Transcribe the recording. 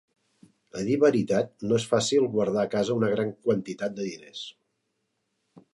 A dir veritat, no es fàcil guardar a casa una gran quantitat de diners.